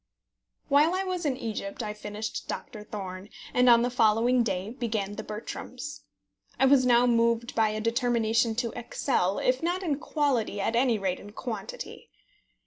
While I was in Egypt, I finished Doctor Thorne, and on the following day began The Bertrams. I was moved now by a determination to excel, if not in quality, at any rate in quantity.